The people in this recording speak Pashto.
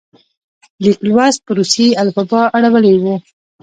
لیک لوست په روسي الفبا اړولی وو.